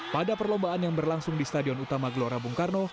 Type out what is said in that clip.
pada perlombaan yang berlangsung di stadion utama gelora bung karno